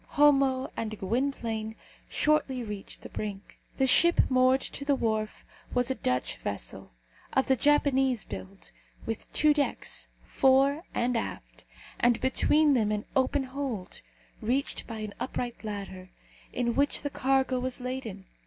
Homo and Gwynplaine shortly reached the brink. The ship moored to the wharf was a Dutch vessel, of the Japanese build, with two decks, fore and aft, and between them an open hold, reached by an upright ladder, in which the cargo was laden.